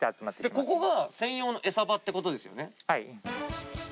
ここが専用のエサ場ってことですよね